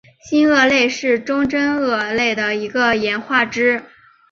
新鳄类是中真鳄类的一个演化支。